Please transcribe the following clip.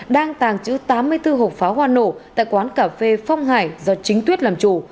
đang tàng trữ tám mươi bốn hộp pháo hoa nổ tại quán cà phê phong hải do chính tuyết làm chủ